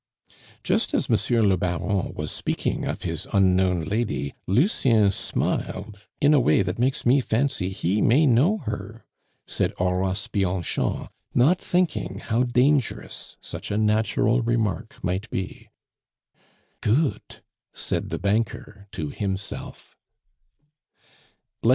"Just as Monsieur le Baron was speaking of his unknown lady, Lucien smiled in a way that makes me fancy he may know her," said Horace Bianchon, not thinking how dangerous such a natural remark might be. "Goot!" said the banker to himself.